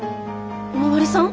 お巡りさん？